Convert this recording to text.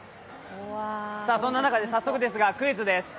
そんな中で早速ですがクイズです。